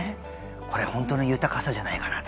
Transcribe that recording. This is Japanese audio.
これ本当の豊かさじゃないかなと。